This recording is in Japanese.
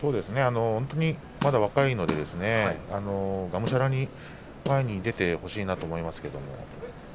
まだ若いのでがむしゃらに前に出てほしいなと思いますけど。